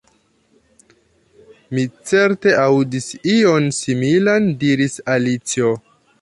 "Mi certe aŭdis ion similan," diris Alicio.